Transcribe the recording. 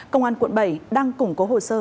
công an quận bảy đang củng cố hồ sơ